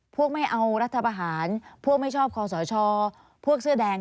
ไม่เอารัฐประหารพวกไม่ชอบคอสชพวกเสื้อแดง